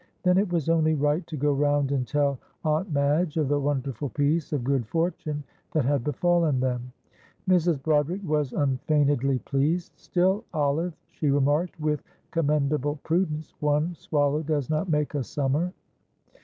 Then it was only right to go round and tell Aunt Madge of the wonderful piece of good fortune that had befallen them. Mrs. Broderick was unfeignedly pleased. "Still, Olive," she remarked, with commendable prudence, "one swallow does not make a summer."